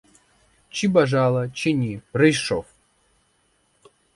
Чи бажала, чи ні, прийшов.